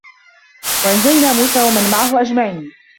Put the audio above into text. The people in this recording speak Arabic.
وَأَنجَينا موسى وَمَن مَعَهُ أَجمَعينَ